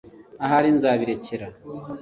ahari, nzabirekera